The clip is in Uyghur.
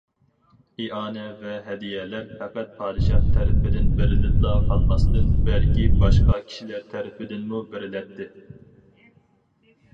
ئىئانە ۋە ھەدىيەلەر پەقەت پادىشاھ تەرىپىدىن بېرىلىپلا قالماستىن، بەلكى باشقا كىشىلەر تەرىپىدىنمۇ بېرىلەتتى.